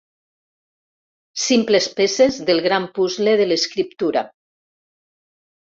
Simples peces del gran puzle de l'escriptura.